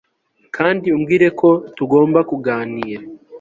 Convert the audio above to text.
kandi umbwire ko tugomba kuganira